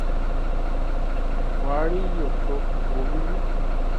غواړي یو څوک وویني؟